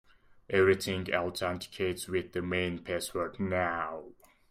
Everything authenticates with the main password now.